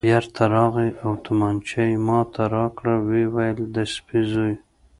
بېرته راغلی او تومانچه یې ما ته راکړل، ویې ویل: د سپي زوی.